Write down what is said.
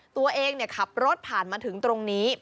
ตัวเองขับรถผ่านมาถึงตรงนี้